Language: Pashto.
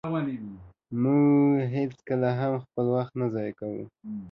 مونږ هيڅکله هم خپل وخت نه ضایع کوو.